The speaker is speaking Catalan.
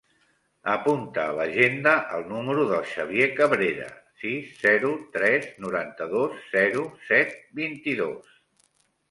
Apunta a l'agenda el número del Xavier Cabrera: sis, zero, tres, noranta-dos, zero, set, vint-i-dos.